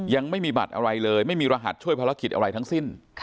ยังไม่มีบัตรอะไรเลยไม่มีรหัสช่วยภารกิจอะไรทั้งสิ้น